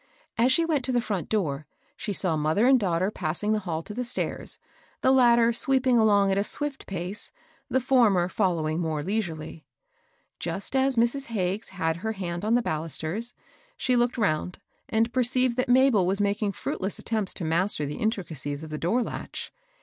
As she went to the front door, she saw mother and daughter passing the hall to the stairs, the latter sweeping along at a swift pace, the for mer following more leisurely. Just as Mrs. Hagges had her hand on the balusters, she looked round, and perceived that Mabel was making fruitlesis at tempts to master the intricacies of the door latch.